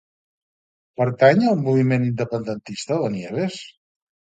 Pertany al moviment independentista la Nieves?